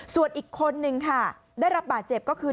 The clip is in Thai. ส่วนอีกคนนึงค่ะได้รับบาดเจ็บก็คือ